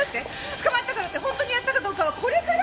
捕まったからって本当にやったかどうかはこれから。